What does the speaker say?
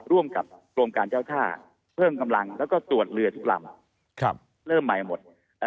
ร่วมกับกรมการเจ้าท่าเพิ่มกำลังแล้วก็ตรวจเรือทุกลำเริ่มใหม่หมด